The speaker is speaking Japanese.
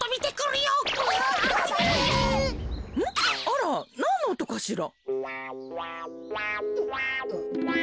あらなんのおとかしら？